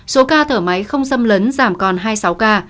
số ca thở máy không xâm lấn giảm còn hai mươi sáu ca